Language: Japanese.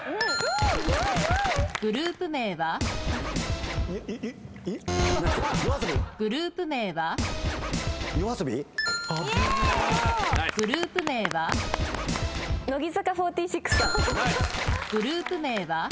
グループ名は？